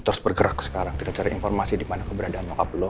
terus bergerak sekarang kita cari informasi dimana keberadaan nyokap lo